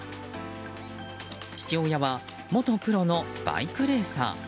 父親は元プロのバイクレーサー。